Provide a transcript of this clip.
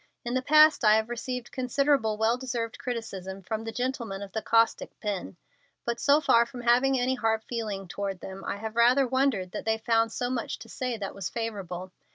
In the past I have received considerable well deserved criticism from the gentlemen of the caustic pen, but so far from having any hard feeling toward them, I have rather wondered that they found so much to say that was favorable.